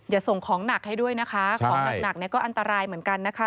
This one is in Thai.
ส่งของหนักให้ด้วยนะคะของหนักเนี่ยก็อันตรายเหมือนกันนะคะ